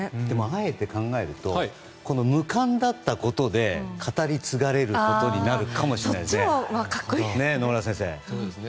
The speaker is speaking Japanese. あえて考えると無冠だったことで語り継がれることになるかもしれないので、野村先生。